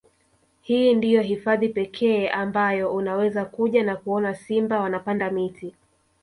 Hii ndiyo hifadhi pekee ambayo unaweza kuja na kuona simba wanapanda miti